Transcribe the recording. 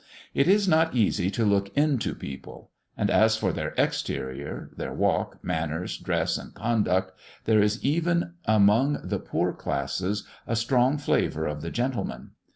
It is not easy to look into people; and as for their exterior, their walk, manners, dress, and conduct, there is even among the poorer classes, a strong flavour of the "gentleman."